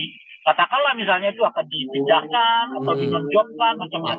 katakanlah misalnya itu akan dipindahkan atau dinonjotkan macam macam